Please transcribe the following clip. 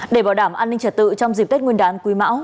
để bảo đảm an ninh trật tự trong dịp tết nguyên đán quý mão